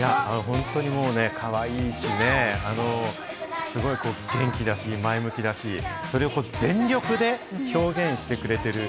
本当に、もうかわいいしね、すごい元気だし、前向きだし、それを全力で表現してくれている。